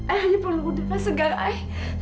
ay hanya perlu udara segar ay